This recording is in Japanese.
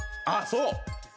ああそう！